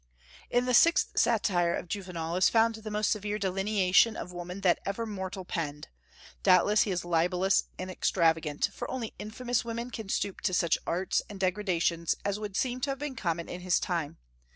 In the sixth satire of Juvenal is found the most severe delineation of woman that ever mortal penned. Doubtless he is libellous and extravagant, for only infamous women can stoop to such arts and degradations as would seem to have been common in his time.